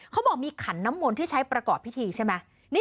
เขาบอกมีขันน้ำมนต์ที่ใช้ประกอบพิธีใช่ไหม